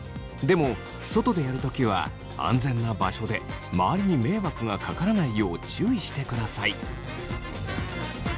でも外でやる時は安全な場所で周りに迷惑がかからないよう注意してください。